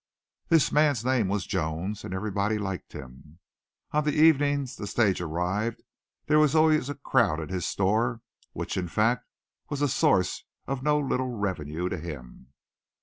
This man's name was Jones, and everybody liked him. On the evenings the stage arrived there was always a crowd at his store, which fact was a source of no little revenue to him.